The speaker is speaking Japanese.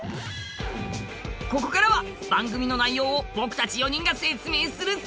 ここからは番組の内容を僕たち４人が説明するっす！